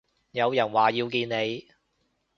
有人話要見你